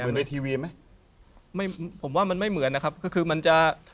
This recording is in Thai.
ในทีวีไหมไม่ผมว่ามันไม่เหมือนนะครับก็คือมันจะ